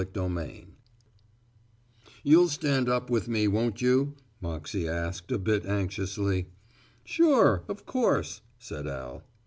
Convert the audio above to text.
XII MOXEY'S SISTER "You'll stand up with me, won't you?" Moxey asked, a bit anxiously. "Sure, of course," said Al.